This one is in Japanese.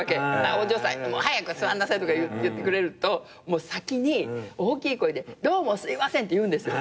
「お嬢さん早く座んなさい」とか言ってくれると先に大きい声でどうもすいませんって言うんです。